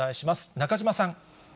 中島さん。